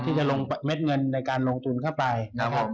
ที่จะลงเม็ดเงินในการลงทุนเข้าไปนะครับผม